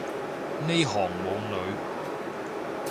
呢行冇女